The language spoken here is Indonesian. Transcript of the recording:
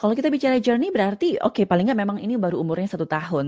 kalau kita bicara johnny berarti oke paling nggak memang ini baru umurnya satu tahun